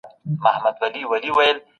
خپل غمونه شريک کړئ.